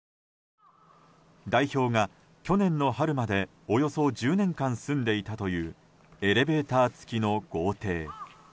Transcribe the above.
代表が、去年の春までおよそ１０年間住んでいたというエレベーター付きの豪邸。